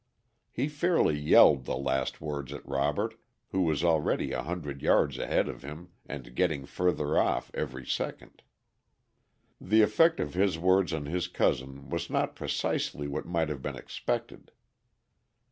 He fairly yelled the last words at Robert, who was already a hundred yards ahead of him and getting further off every second. The effect of his words on his cousin was not precisely what might have been expected.